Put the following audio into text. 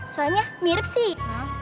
soalnya mirip sih